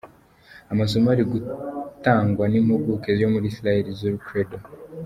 Amasomo ari gutangwa n’impuguke yo muri Israheli Zur Kredo.